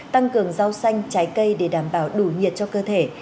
tăng cường rau xanh trái cây để đảm bảo đủ nhiệt cho cơ thể